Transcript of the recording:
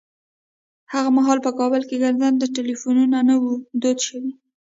هغه مهال په کابل کې ګرځنده ټليفونونه نه وو دود شوي.